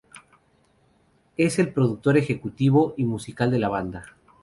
Es el productor Ejecutivo y musical de la banda.